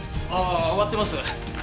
ああ終わってます。